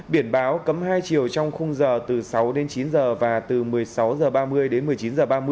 biển báo cấm hai chiều trong khung giờ từ sáu đến chín giờ và từ một mươi sáu h ba mươi đến một mươi chín h ba mươi